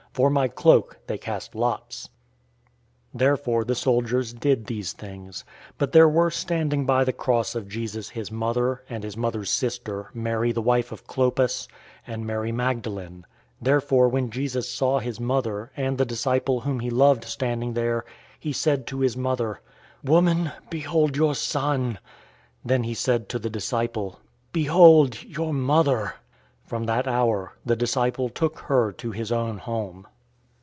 For my cloak they cast lots."{Psalm 22:18} Therefore the soldiers did these things. 019:025 But there were standing by the cross of Jesus his mother, and his mother's sister, Mary the wife of Clopas, and Mary Magdalene. 019:026 Therefore when Jesus saw his mother, and the disciple whom he loved standing there, he said to his mother, "Woman, behold your son!" 019:027 Then he said to the disciple, "Behold, your mother!" From that hour, the disciple took her to his own home.